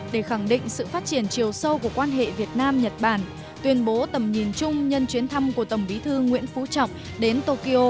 để khẳng định sự phát triển chiều sâu của quan hệ việt nam nhật bản tuyên bố tầm nhìn chung nhân chuyến thăm của tổng bí thư nguyễn phú trọng đến tokyo